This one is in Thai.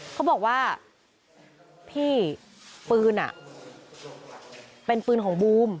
เขาบอกว่าพี่ปืนเป็นปืนของบูม